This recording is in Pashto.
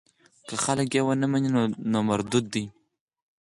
که خلک یې ونه مني نو مردود دی.